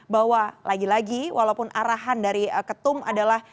bahwa lagi lagi walaupun arahan dari ketum adalah